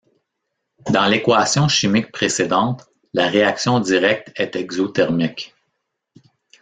Dans l'équation chimique précédente, la réaction directe est exothermique.